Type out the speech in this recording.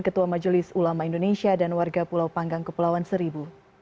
ketua majelis ulama indonesia dan warga pulau panggang kepulauan seribu